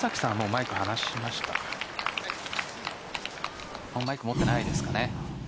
マイク持ってないですかね。